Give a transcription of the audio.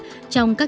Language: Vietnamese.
trong các trường hợp